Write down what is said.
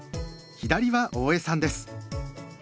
左は大江さんです。